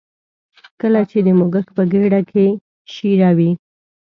کله چې د موږک په ګېډه کې شېره وي.